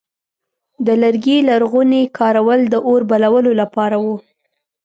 د لرګي لرغونی کارول د اور بلولو لپاره و.